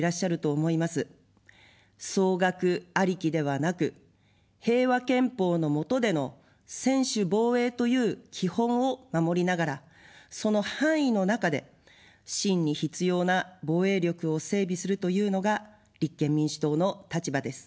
総額ありきではなく、平和憲法の下での専守防衛という基本を守りながら、その範囲の中で真に必要な防衛力を整備するというのが立憲民主党の立場です。